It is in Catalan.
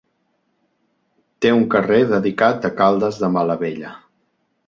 Té un carrer dedicat a Caldes de Malavella.